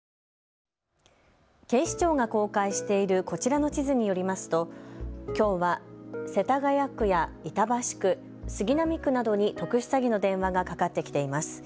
警視庁が公開しているこちらの地図によりますときょうは世田谷区や板橋区、杉並区などに特殊詐欺の電話がかかってきています。